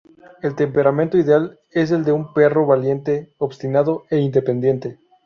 El temperamento ideal es el de un perro valiente, obstinado e independiente.